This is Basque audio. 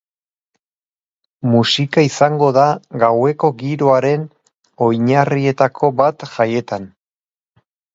Musika izango da gaueko giroaren oinarrietako bat jaietan.